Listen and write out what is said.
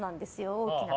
大きな。